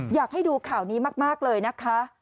อยากให้ดูข่าวนี้มากเลยนะคะ